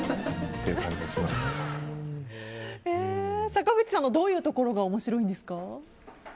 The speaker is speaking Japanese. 坂口さんのどういうところが面白いんですか？